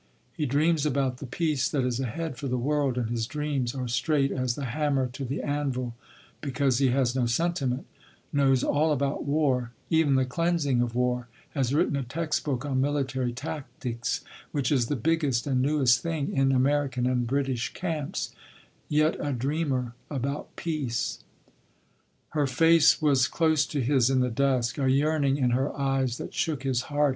He dreams about the peace that is ahead for the world, and his dreams are straight as the hammer to the anvil because he has no sentiment, knows all about war—even the cleansing of war—has written a text book on military tactics which is the biggest and newest thing in American and British camps—yet a dreamer about peace—" Her face was close to his in the dusk, a yearning in her eyes that shook his heart.